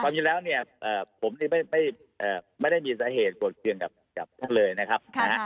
ความจริงแล้วผมไม่ได้มีสาเหตุบทเครื่องกับท่านเลยนะครับ